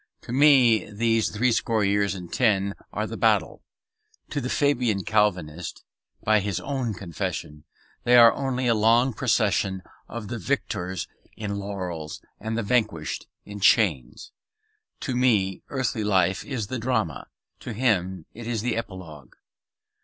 To me these threescore years and ten are the battle. To the Fabian Calvinist (by his own confession) they are only a long procession of the victors in laurels and the vanquished in chains. To me earthly life is the drama; to him it is the epilogue.